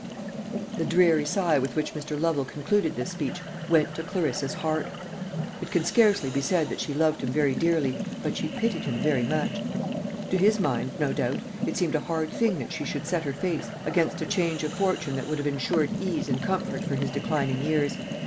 The dreary sigh with which Mr. Lovel concluded this speech went to Clarissa's heart. It can scarcely be said that she loved him very dearly, but she pitied him very much. To his mind, no doubt, it seemed a hard thing that she should set her face against a change of fortune that would have ensured ease and comfort for his declining years.